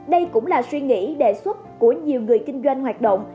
đây cũng là suy nghĩ đề xuất của nhiều người kinh doanh hoạt động